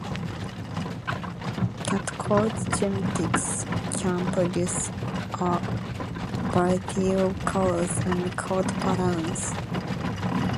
Cat coat genetics can produce a variety of colors and coat patterns.